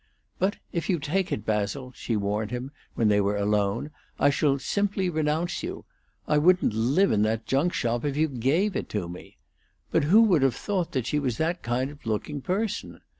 "But if you take it, Basil," she warned him, when they were alone, "I shall simply renounce you. I wouldn't live in that junk shop if you gave it to me. But who would have thought she was that kind of looking person?